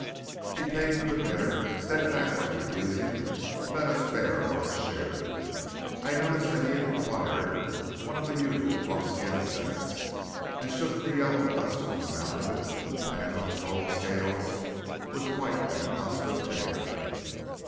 He paid for the dinner, steadfastly refusing to let us bear our share. I noticed that he had acquired one of the usual buckskin sacks, and shook the yellow dust from the mouth of it to the pan of the gold scales with quite an accustomed air.